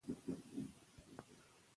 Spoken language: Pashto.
هغوی ته ښه عادتونه ور زده کړئ.